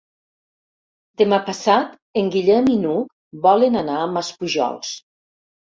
Demà passat en Guillem i n'Hug volen anar a Maspujols.